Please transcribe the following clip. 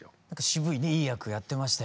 渋いいい役やってましたよね。